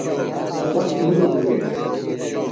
سخت ہُلک دےۡ۔